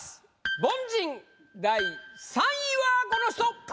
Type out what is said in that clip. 凡人第３位はこの人！